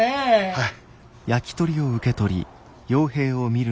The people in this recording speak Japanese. はい。